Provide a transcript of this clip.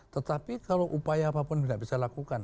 tetapi kalau upaya apapun tidak bisa lakukan